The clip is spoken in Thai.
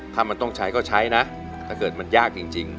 ถ้ามันต้องใช้ก็ใช้นะถ้าเกิดมันยากจริง